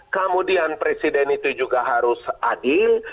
kemudian presiden itu juga harus adil